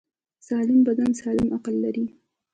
سالم بدن سالم عقل لري.